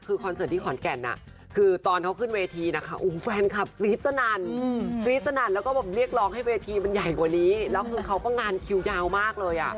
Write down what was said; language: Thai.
คือคอนเสิร์ตที่ขอนแก่นคือตอนเขาขึ้นเวทีนะคะ